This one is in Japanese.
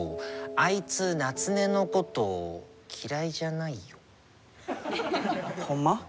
あいつナツネのこと嫌いじゃないよ。ほんま？